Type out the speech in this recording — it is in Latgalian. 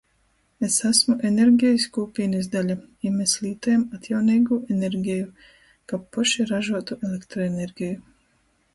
Es asmu energejis kūpīnys daļa, i mes lītojam atjauneigū energeju, kab poši ražuotu elektroenergeju.